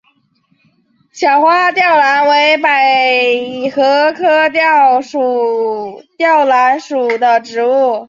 小花吊兰为百合科吊兰属的植物。